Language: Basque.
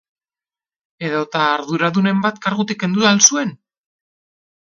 Edota arduradunen bat kargutik kendu al zuen?